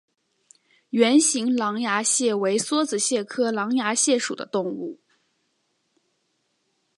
圆形狼牙蟹为梭子蟹科狼牙蟹属的动物。